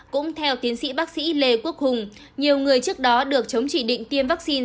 cũng theo tiến sĩ bác sĩ lê quốc hùng nhiều người trước đó được chống chỉ định tiêm vaccine